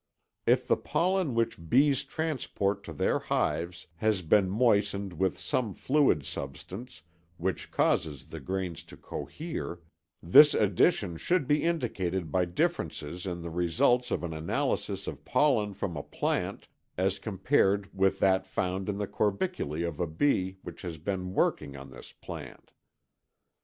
If the pollen which bees transport to their hives has been moistened with some fluid substance which causes the grains to cohere, this addition should be indicated by differences in the results of an analysis of pollen from a plant as compared with that found in the corbiculæ of a bee which has been working on this plant.